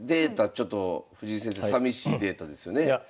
ちょっと藤井先生さみしいデータですよね。